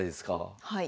はい。